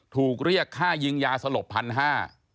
ถูกเรียกค่ายิงยาสลบพันห้า